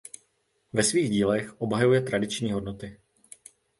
Ve svých dílech obhajuje tradiční hodnoty.